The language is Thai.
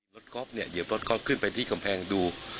ก๊อฟเนี่ยเหยียบรถก๊อฟขึ้นไปที่กำแพงดู